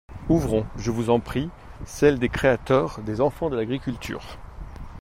Ouvrons, je vous en prie, celle des créateurs, des enfants de l'agriculture.